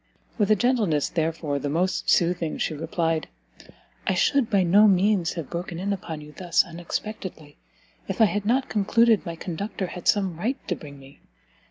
With a gentleness, therefore, the most soothing, she replied, "I should by no means have broken in upon you thus unexpectedly, if I had not concluded my conductor had some right to bring me.